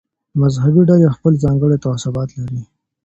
مذهبي ډلې خپل ځانګړي تعصبات لري.